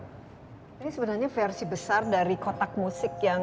ini sebenarnya versi besar dari kotak musik yang